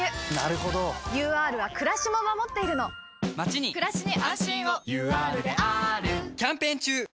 ＵＲはくらしも守っているのまちにくらしに安心をＵＲであーるキャンペーン中！